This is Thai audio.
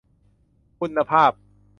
คุณภาพ